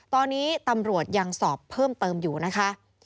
ตอนนี้ตำรวจยังสอบเพิ่มเติมอยู่นะคะ